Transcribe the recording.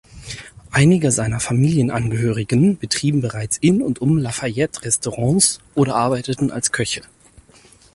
Einige seiner Familienangehörigen betrieben bereits in und um Lafayette Restaurants oder arbeiten als Köche.